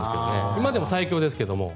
今でも最強ですけど。